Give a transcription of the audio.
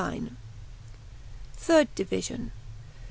line). THIRD DIVISION.